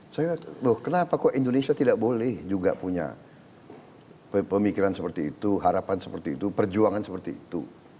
saya loh kenapa kok indonesia tidak boleh juga punya pemikiran seperti itu harapan seperti itu perjuangan seperti itu